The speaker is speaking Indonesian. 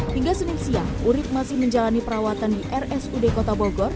hingga senin siang urib masih menjalani perawatan di rsud kota bogor